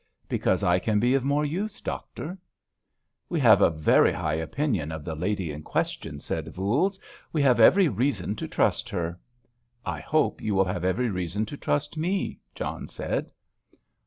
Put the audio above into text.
"Because I can be of more use, doctor." "We have a very high opinion of the lady in question," said Voules; "we have every reason to trust her." "I hope you will have every reason to trust me," John said.